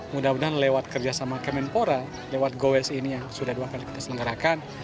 mudah mudahan lewat kerjasama kemenpora lewat gowes ini yang sudah dua kali kita selenggarakan